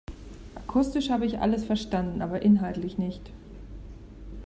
Akustisch habe ich alles verstanden, aber inhaltlich nicht.